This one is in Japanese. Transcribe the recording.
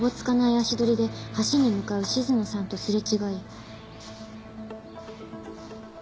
足取りで橋に向かう静野さんとすれ違い。